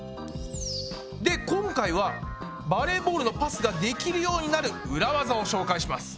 で今回はバレーボールのパスができるようになる裏ワザを紹介します！